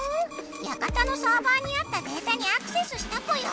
やかたのサーバーにあったデータにアクセスしたぽよ。